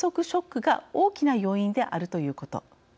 ショックが大きな要因であるということ。